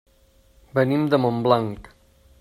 Venim de Montblanc.